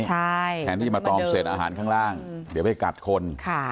แทนที่จะมาตอมเศษอาหารข้างล่างเดี๋ยวไปกัดคน